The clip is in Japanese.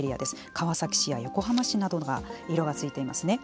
川崎市や横浜市に色がついていますね。